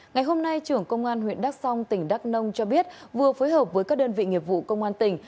ngày hôm nay trưởng công an huyện đắk song tỉnh đắk nông cho biết vừa phối hợp với các đơn vị nghiệp vụ công an tỉnh